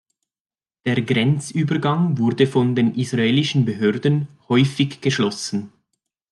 Der Grenzübergang wurde von den israelischen Behörden häufig geschlossen.